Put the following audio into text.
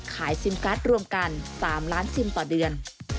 ซิมการ์ดรวมกัน๓ล้านซิมต่อเดือน